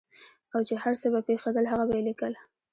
او چې هر څه به پېښېدل هغه به یې لیکل.